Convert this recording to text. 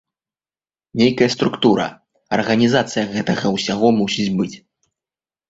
Нейкая структура, арганізацыя гэтага ўсяго мусіць быць.